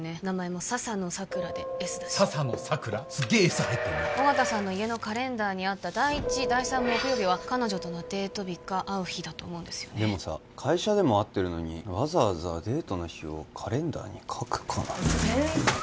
Ｓ入ってんな緒方さんの家のカレンダーにあった第１第３木曜日は彼女とのデート日か会う日だと思うんですよねでもさ会社でも会ってるのにわざわざデートの日をカレンダーに書くかな先生